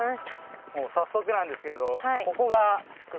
もう早速なんですけど。